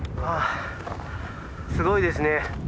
すごいですね。